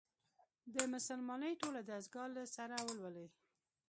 د «مسلمانۍ ټوله دستګاه» له سره ولولي.